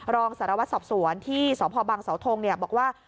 รองสารวัตรสอบสวนที่สพบังเสาทงบอกว่า